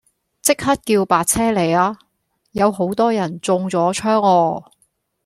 即刻叫白車嚟吖，有好多人中咗槍啊